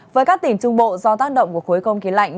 với các tỉnh trung bộ do tác động của khối không khí lạnh